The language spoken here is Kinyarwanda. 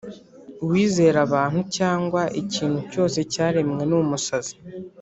Uwizera abantu cyangwa ikintu cyose cyaremwe ni umusazi